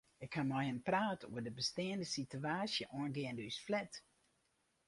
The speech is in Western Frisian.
Ik ha mei him praat oer de besteande sitewaasje oangeande ús flat.